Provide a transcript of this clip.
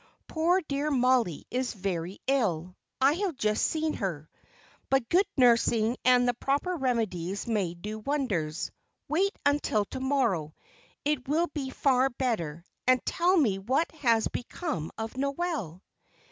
Poor dear Mollie is very ill I have just seen her; but good nursing and the proper remedies may do wonders. Wait until to morrow it will be far better; and tell me what has become of Noel."